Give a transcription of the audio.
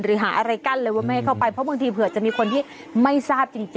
หาอะไรกั้นเลยว่าไม่ให้เข้าไปเพราะบางทีเผื่อจะมีคนที่ไม่ทราบจริง